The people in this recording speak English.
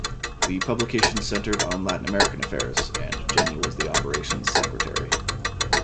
The publication centered on Latin American affairs, and Jenny was the operations Secretary.